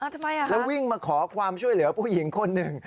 ทำไมอ่ะแล้ววิ่งมาขอความช่วยเหลือผู้หญิงคนหนึ่ง